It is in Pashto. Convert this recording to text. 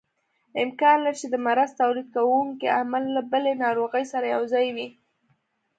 امکان لري چې د مرض تولید کوونکی عامل له بلې ناروغۍ سره یوځای وي.